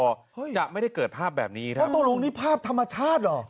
เฮ้ยจะไม่ได้เกิดภาพแบบนี้ครับแล้วตกลงนี่ภาพธรรมชาติเหรอ